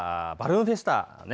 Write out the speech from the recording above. バルーンフェスタ。